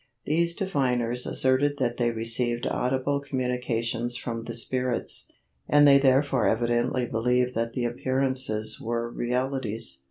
These diviners asserted that they received audible communications from the spirits, and they therefore evidently believed that the appearances were realities.